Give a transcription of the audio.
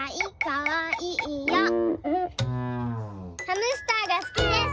ハムスターがすきです。